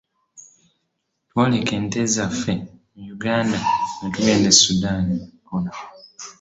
Twaleka ente zaffe mu Uganda ne tugenda e Sudan.